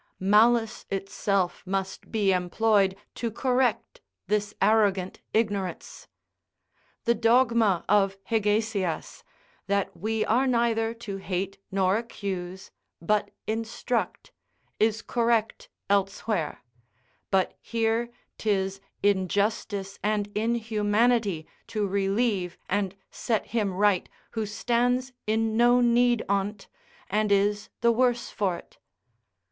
Malice itself must be employed to correct this arrogant ignorance. The dogma of Hegesias, "that we are neither to hate nor accuse, but instruct," is correct elsewhere; but here 'tis injustice and inhumanity to relieve and set him right who stands in no need on't, and is the worse for't.